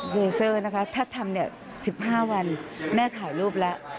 เลเซอร์นะคะถ้าทำ๑๕วันแม่ถ่ายรูปแล้ว